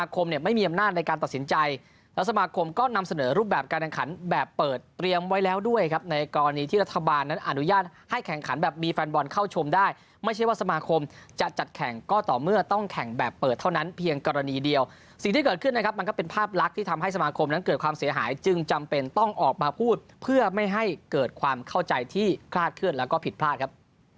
ความเข้าใจที่คลาดเคลื่อนแล้วก็ผิดพลาดครับ